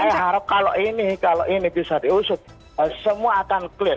saya harap kalau ini bisa diusut semua akan clear